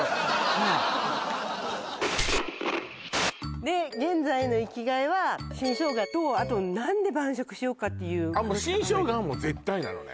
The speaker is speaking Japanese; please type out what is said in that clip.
はいで現在の生き甲斐は新生姜とあと何で晩酌しようかっていう新生姜はもう絶対なのね？